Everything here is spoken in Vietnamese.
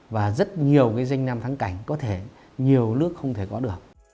và rất nhiều cái danh nam thắng cảnh có thể nhiều nước không thể có được